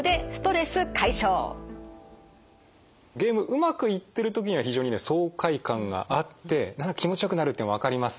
ゲームうまくいってる時には非常にね爽快感があって何か気持ちよくなるっていうのわかります。